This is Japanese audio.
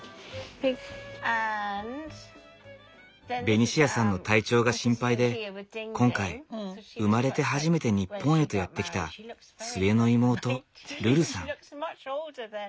ベニシアさんの体調が心配で今回生まれて初めて日本へとやって来た末の妹ルルさん。